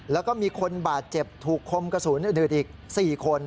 แล้วก็มีคนบาดเจ็บถูกคมกระสุนอื่นอีก๔คน